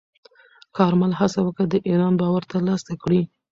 کارمل هڅه وکړه د ایران باور ترلاسه کړي.